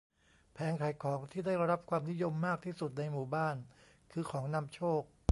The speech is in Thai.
แผงขายของที่ได้รับความนิยมมากที่สุดในหมู่บ้านคือของนำโชค